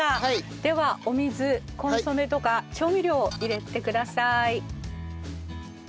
ではお水コンソメとか調味料を入れてください。